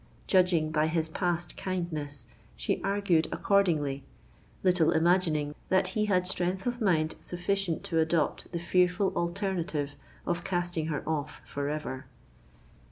Judging by his past kindness, she argued accordingly—little imagining that he had strength of mind sufficient to adopt the fearful alternative of casting her off for ever!